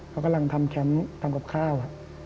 เขากำลังทำแคมป์ทำกับข้าว